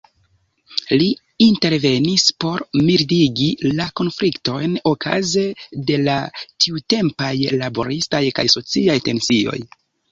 Li intervenis por mildigi la konfliktojn okaze de la tiutempaj laboristaj kaj sociaj tensioj.